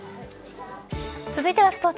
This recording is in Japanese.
続いてはスポーツ。